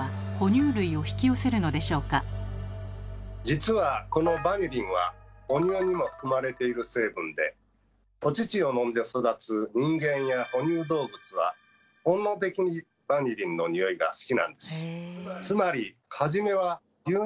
実はこのバニリンは母乳にも含まれている成分でお乳を飲んで育つ人間や哺乳動物は本能的にバニリンのにおいが好きなんです。